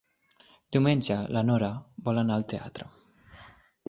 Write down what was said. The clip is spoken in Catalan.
Diumenge na Nora vol anar al teatre.